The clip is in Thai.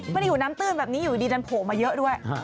ไม่ได้อยู่น้ำตื้นแบบนี้อยู่ดีดันโผล่มาเยอะด้วย